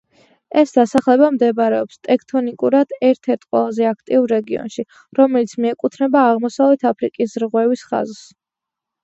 ეს დასახლება მდებარეობს ტექტონიკურად ერთ-ერთ ყველაზე აქტიურ რეგიონში, რომელიც მიეკუთვნება აღმოსავლეთ აფრიკის რღვევის ხაზს.